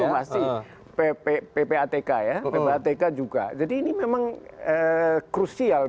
itu pasti ppatk ya ppatk juga jadi ini memang krusial